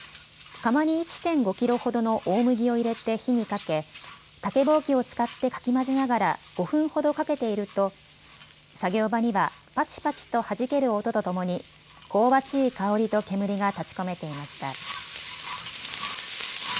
釜に１．５キロほどの大麦を入れて火にかけ、竹ぼうきを使ってかきまぜながら、５分ほどかけていると作業場には、ぱちぱちとはじける音とともにこうばしい香りと煙が立ちこめていました。